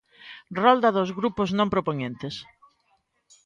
Rolda dos grupos non propoñentes.